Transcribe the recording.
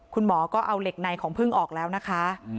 คุณหมอก็เอาเหล็กในของพึ่งออกแล้วนะคะ